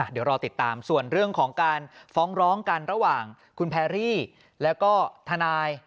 เดี๋ยวรอติดตามส่วนเรื่องของการฟ้องร้องกันระหว่างคุณแพรรี่แล้วก็ทนาย